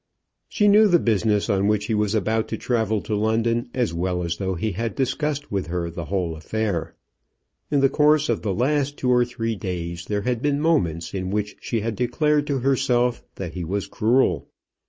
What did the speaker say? She knew the business on which he was about to travel to London, as well as though he had discussed with her the whole affair. In the course of the last two or three days there had been moments in which she had declared to herself that he was cruel.